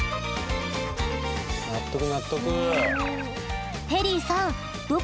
納得納得。